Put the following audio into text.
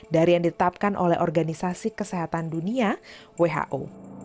dari yang ditetapkan oleh organisasi kesehatan dunia who